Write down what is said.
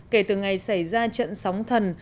kể từ ngày xảy ra trận sóng thần